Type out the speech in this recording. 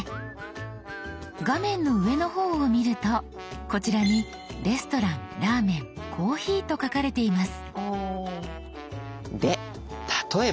画面の上の方を見るとこちらに「レストラン」「ラーメン」「コーヒー」と書かれています。